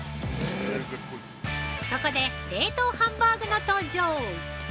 ここで冷凍ハンバーグの登場。